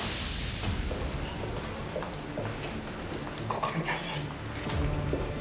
ここみたいです。